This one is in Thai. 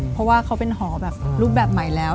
เพราะว่าเขาเป็นหอแบบรูปแบบใหม่แล้ว